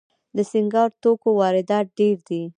د سینګار توکو واردات ډیر دي